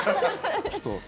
ちょっと。